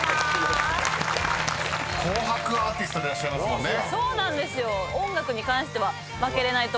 ［『紅白』アーティストでいらっしゃいますもんね］